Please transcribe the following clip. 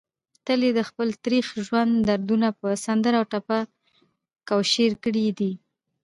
تل يې دخپل تريخ ژوند دردونه په سندره او ټپه کوشېر کړي دي